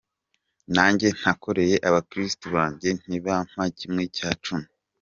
Nanjye ntakoreye abakirisitu banjye ntibampa kimwe cya cumi.